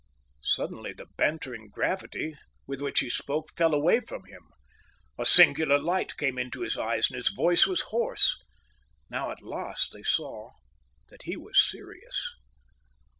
Suddenly the bantering gravity with which he spoke fell away from him. A singular light came into his eyes, and his voice was hoarse. Now at last they saw that he was serious.